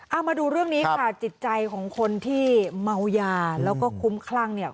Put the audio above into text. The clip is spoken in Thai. เอามาดูเรื่องนี้ค่ะจิตใจของคนที่เมายาแล้วก็คุ้มคลั่งเนี่ย